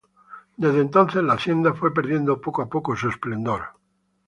Desde entonces la hacienda fue perdiendo poco a poco su esplendor.